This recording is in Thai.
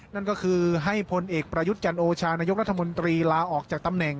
นั่นก็คือให้พลเอกประยุทธ์จันโอชานายกรัฐมนตรีลาออกจากตำแหน่ง